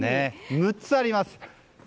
６つあります。